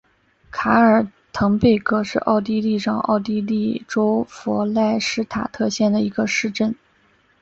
卡尔滕贝格是奥地利上奥地利州弗赖施塔特县的一个市镇。